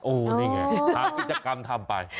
โอ้โหนี่ไงหากิจกรรมทำไป